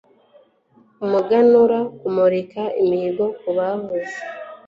umuganura, kumurika imihigo ku bavuye